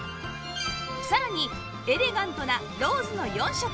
さらにエレガントなローズの４色